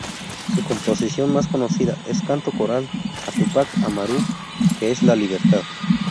Su composición más conocida es "Canto coral a Túpac Amaru, que es la libertad.